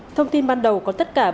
thông tin ban đầu có tất cả